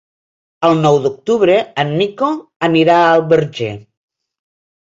El nou d'octubre en Nico anirà al Verger.